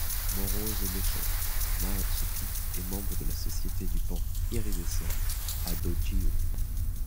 Morose et méchante, Maatsuki est membre de la Société du Paon Iridescent à Dojyu.